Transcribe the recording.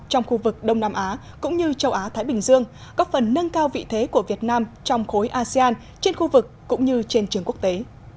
trong khu vực đông nam á cũng như châu á thái bình dương góp phần nâng cao vị thế của việt nam trong khối asean trên khu vực cũng như trên trường quốc tế